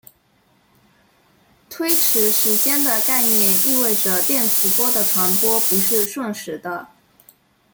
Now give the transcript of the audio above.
推迟时间的概念意味着电磁波的传播不是瞬时的。